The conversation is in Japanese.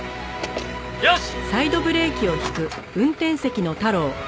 よし！